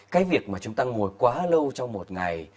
cái việc mà chúng ta ngồi quá lâu trong một ngày